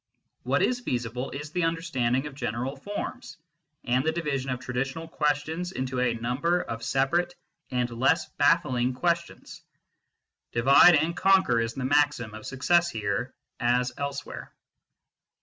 What is feasible is the understanding of general forms, and the division of traditional problems into a number of separate and less baffling questions. " Divide and conquer " is the maxim of success here as elsewhere.